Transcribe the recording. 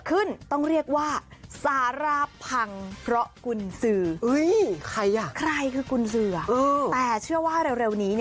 อุ๊ยใครน่ะใครคือกุญศืออ่ะแต่เชื่อว่าเร็วนี้